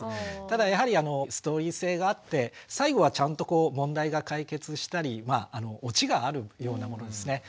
ただやはりストーリー性があって最後はちゃんと問題が解決したりオチがあるようなものですね。